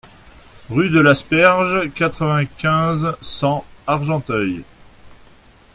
Rue de l'Asperge, quatre-vingt-quinze, cent Argenteuil